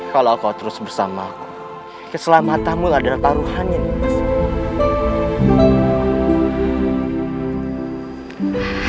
kalau kau terus bersamaku keselamatanmu adalah taruhannya nimas